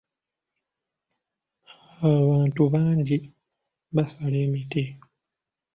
Abantu bangi basala emiti.